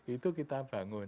itu kita bangun